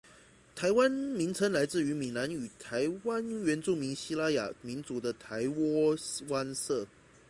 “台湾”名称来自于南台湾原住民西拉雅族的台窝湾社。